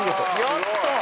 やった！